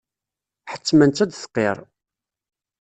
Ḥettmen-tt ad d-tqirr.